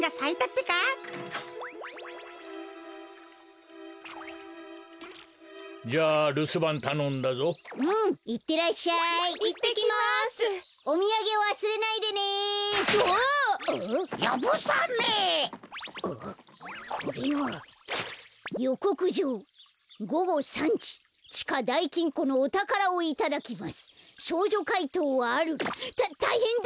たたいへんだ！